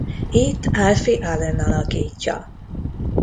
Itt Alfie Allen alakítja.